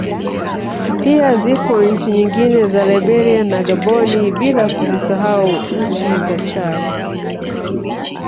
Pia zipo nchi nyingine za Liberia na Gaboni bila kuzisahau ncni za Chadi